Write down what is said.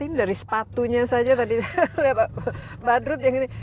ini dari sepatunya saja tadi